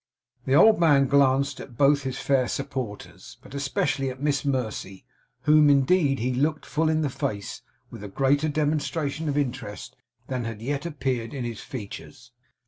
The old man glanced at both his fair supporters, but especially at Miss Mercy, whom, indeed, he looked full in the face, with a greater demonstration of interest than had yet appeared in his features.